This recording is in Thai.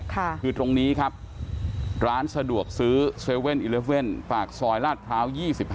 คือตรงนี้ครับร้านสะดวกซื้อ๗๑๑ปากซอยลาดพร้าว๒๕